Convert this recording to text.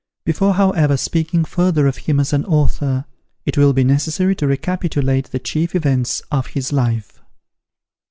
Before, however, speaking further of him as an author, it will be necessary to recapitulate the chief events of his life.